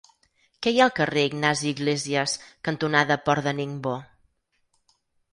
Què hi ha al carrer Ignasi Iglésias cantonada Port de Ningbo?